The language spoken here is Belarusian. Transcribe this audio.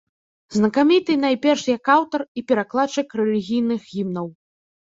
Знакаміты найперш як аўтар і перакладчык рэлігійных гімнаў.